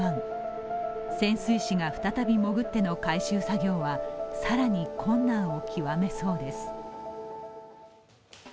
潜水士が再び潜っての回収作業は更に困難をきわめそうです。